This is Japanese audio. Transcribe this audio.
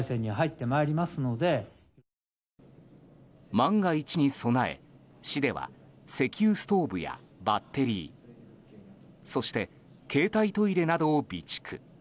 万が一に備え、市では石油ストーブやバッテリーそして携帯トイレなどを備蓄。